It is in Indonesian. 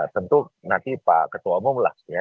tentu nanti pak ketua umum lah ya